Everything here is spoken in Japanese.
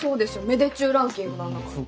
芽出中ランキングなんだから。